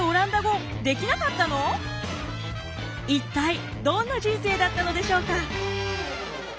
一体どんな人生だったのでしょうか？